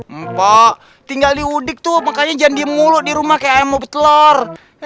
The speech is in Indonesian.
empok tinggal di udik tuh makanya jangan diem mulu di rumah kayak emok betelor